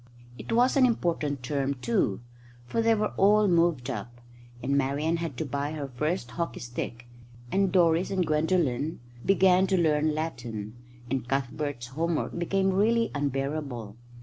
It was an important term, too, for they were all moved up; and Marian had to buy her first hockey stick; and Doris and Gwendolen began to learn Latin; and Cuthbert's homework became really unbearable.